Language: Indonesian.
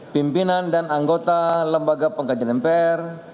pimpinan dan anggota lembaga pengkajian mpr